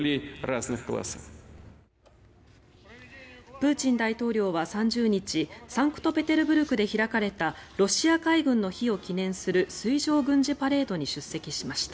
プーチン大統領は３０日サンクトペテルブルクで開かれたロシア海軍の日を記念する水上軍事パレードに出席しました。